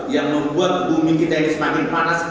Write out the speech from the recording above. yang membuat bumi kita ini semakin panas